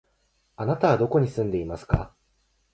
あなたはどこに住んでいますか？